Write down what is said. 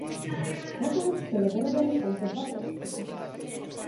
Nakonec byly vyrobeny pouze dva prototypy.